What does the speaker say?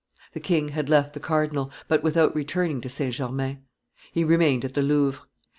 The king had left the cardinal, but without returning to St. Germain. He remained at the Louvre.